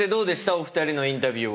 お二人のインタビューは。